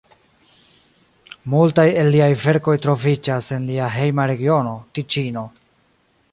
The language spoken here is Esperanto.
Multaj el liaj verkoj troviĝas en lia hejma regiono, Tiĉino.